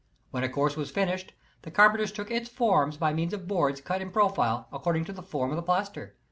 When a course was finished the carpenters took its forms by means of boards cut in profile, according to the form of the plaster.